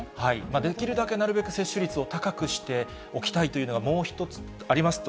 できるだけなるべく接種率を高くしておきたいというのがもう一つありますと。